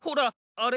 あれ？